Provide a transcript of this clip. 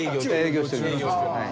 営業しております。